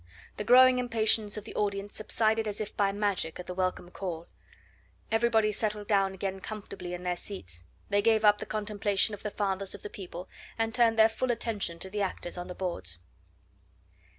The growing impatience of the audience subsided as if by magic at the welcome call; everybody settled down again comfortably in their seats, they gave up the contemplation of the fathers of the people, and turned their full attention to the actors on the boards.